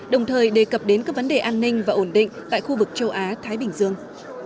đồng thời đề cập đến các vấn đề an ninh và ổn định tại khu vực châu á thái bình dương